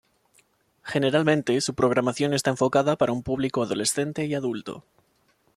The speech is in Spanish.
Generalmente su programación está enfocada para un público adolescente y adulto.